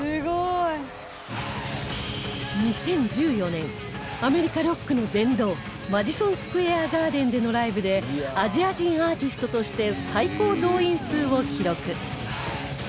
２０１４年アメリカロックの殿堂マディソン・スクエア・ガーデンでのライブでアジア人アーティストとして最高動員数を記録